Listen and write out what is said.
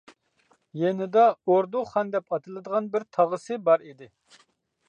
يېنىدا ئوردۇ خان دەپ ئاتىلىدىغان بىر تاغىسى بار ئىدى.